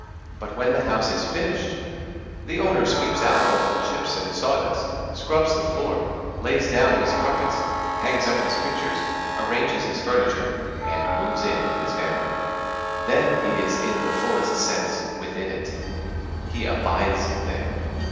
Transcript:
But when the house is finished, the owner sweeps out all the chips and saw dust, scrubs the floor, lays down his carpets, hangs up his pictures, arranges his furniture, and moves in with his family. Then he is in the fullest sense within it. He abides there.